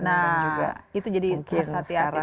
nah itu jadi harus hati hati